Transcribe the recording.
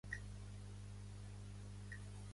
Ricardo Martínez Matei és un ciclista nascut a Barcelona.